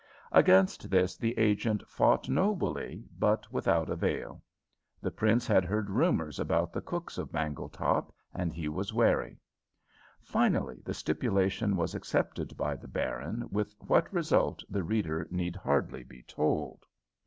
Against this the agent fought nobly, but without avail. The prince had heard rumors about the cooks of Bangletop, and he was wary. Finally the stipulation was accepted by the baron, with what result the reader need hardly be told.